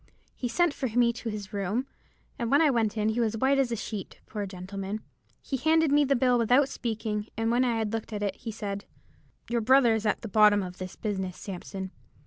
He sent for me to his room; and when I went in, he was as white as a sheet, poor gentleman. He handed me the bill without speaking, and when I had looked at it, he said— "'Your brother is at the bottom of this business, Sampson.